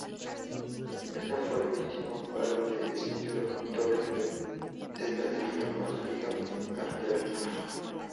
Este fue el último faro de estilo torre de ladrillo construido en Australia.